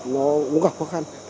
cũng gặp khó khăn